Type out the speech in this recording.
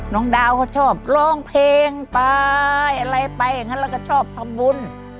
น้องดาวก็ชอบร่องเพลงไปอะไรไปเราก็ชอบทำบุญ